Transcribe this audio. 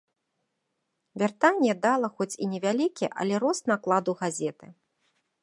Вяртанне дала хоць і невялікі, але рост накладу газеты.